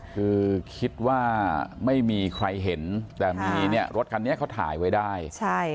คือคิดว่าไม่มีใครเห็นแต่มีเนี่ยรถคันนี้เขาถ่ายไว้ได้